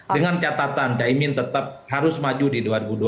dengan catatan caimin tetap harus maju di dua ribu dua puluh